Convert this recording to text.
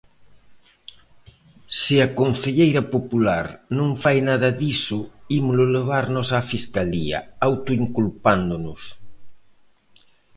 Se a concelleira popular "non fai nada diso ímolo levar nós á Fiscalía, autoinculpándonos".